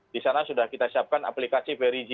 di sana sudah kita siapkan aplikasi perigi